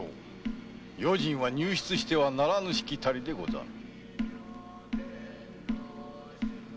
余人は入室してはならぬしきたりでござる。